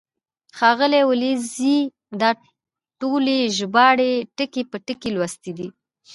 ښاغلي ولیزي دا ټولې ژباړې ټکی په ټکی لوستې دي.